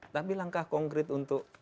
tapi langkah konkret untuk